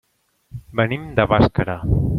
Venim de Bàscara.